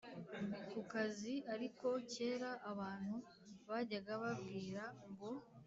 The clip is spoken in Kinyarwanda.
kukazi ariko kera abantu bajyaga babwira ngo